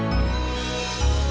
masa masa tenang aja